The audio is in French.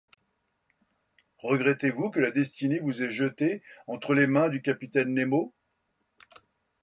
Regrettez-vous que la destinée vous ait jeté entre les mains du capitaine Nemo ?